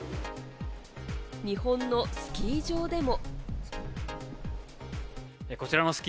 日本のスキー場でも。